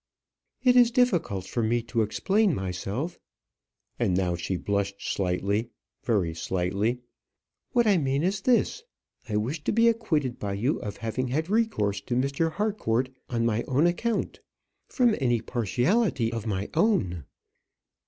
"It is difficult for me to explain myself" and now she blushed slightly very slightly. "What I mean is this; I wish to be acquitted by you of having had recourse to Mr. Harcourt on my own account from any partiality of my own."